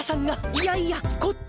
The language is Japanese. いやいやこっち。